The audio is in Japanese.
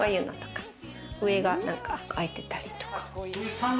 上が空いてたりとか。